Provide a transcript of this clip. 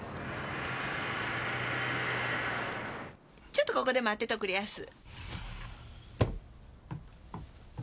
ちょっとここで待ってておくれやす。